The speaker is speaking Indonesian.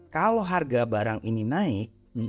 kalau harga barang ini naik